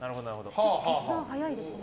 決断早いですね。